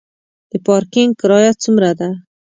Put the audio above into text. د پارکینګ کرایه څومره ده؟